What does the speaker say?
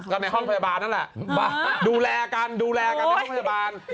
ก็ในห้องพยาบาลนั่นแหละดูแลกันดูแลกันในห้องพยาบาล